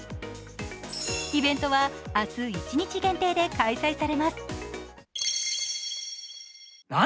イベントは明日、一日限定で開催されます。